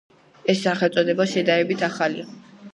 ეს სახელწოდება შედარებით ახალია.